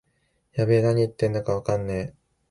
やべえ、なに言ってんのかわからねえ